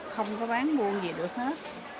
không có bán mua gì được hết